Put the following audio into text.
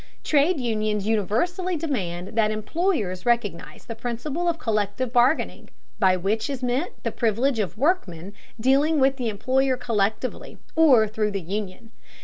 Trade unions universally demand that employers recognize the principle of collective bargaining, by which is meant the privilege of workmen dealing with the employer collectively or through the union.